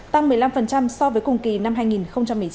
tăng một mươi năm so với cùng kỳ năm hai nghìn một mươi chín